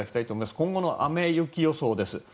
今後の雨、雪予想です。